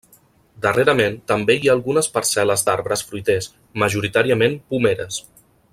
Darrerament també hi ha algunes parcel·les d'arbres fruiters, majoritàriament pomeres.